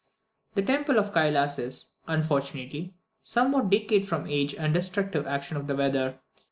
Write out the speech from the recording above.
The temple of Kylas is, unfortunately, somewhat decayed from age and the destructive action of the weather.